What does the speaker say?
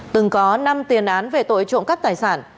từng có năm tiền án về tội trộm cắp tài sản